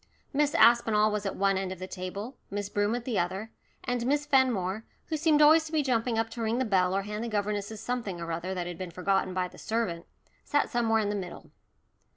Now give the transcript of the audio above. Miss Aspinall was at one end of the table, Miss Broom at the other, and Miss Fenmore, who seemed always to be jumping up to ring the bell or hand the governesses something or other that had been forgotten by the servant, sat somewhere in the middle.